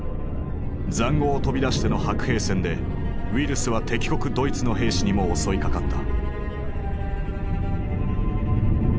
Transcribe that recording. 塹壕を飛び出しての白兵戦でウイルスは敵国ドイツの兵士にも襲いかかった。